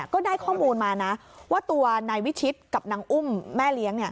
ก็ได้ข้อมูลมานะว่าตัวนายวิชิตกับนางอุ้มแม่เลี้ยง